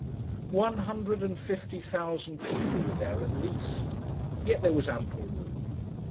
One hundred and fifty thousand people were there at least! Yet there was ample room.